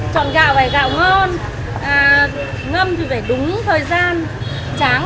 công thức tráng